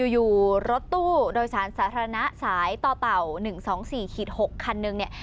อยู่รถตู้โดยสารสาธารณะสายต่อเต่า๑๒๔๖คันหนึ่งเนี่ย